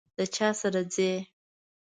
د چا سره ځئ؟